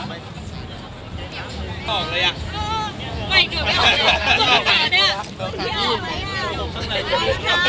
ไม่อยากเต้นใกล้หรือเปล่า